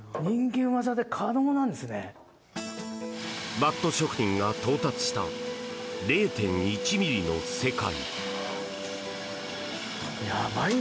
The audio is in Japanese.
バット職人が到達した０．１ｍｍの世界。